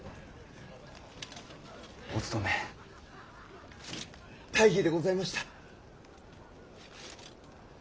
お務め大儀でございました。